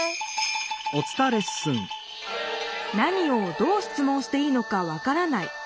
何をどう質問していいのか分からない。